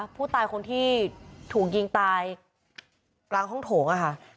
ผู้ตายคนที่ถูกยิงตายกลางห้องโถง